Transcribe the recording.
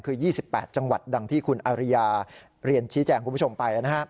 คือ๒๘จังหวัดดังที่คุณอาริยาเรียนชี้แจงคุณผู้ชมไป